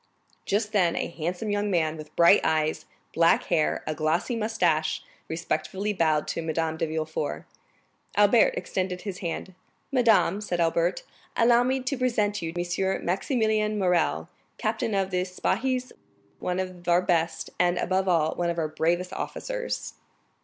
Just then, a handsome young man, with bright eyes, black hair, and glossy moustache, respectfully bowed to Madame de Villefort. Albert extended his hand. "Madame," said Albert, "allow me to present to you M. Maximilian Morrel, captain of Spahis, one of our best, and, above all, of our bravest officers."